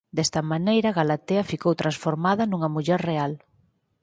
Desta maneira Galatea ficou transformada nunha muller real.